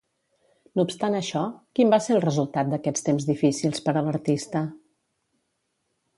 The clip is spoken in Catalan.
No obstant això, quin va ser el resultat d'aquests temps difícils per a l'artista?